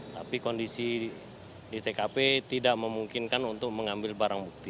tapi kondisi di tkp tidak memungkinkan untuk mengambil barang bukti